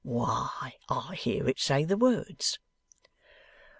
Why, I hear it say the words!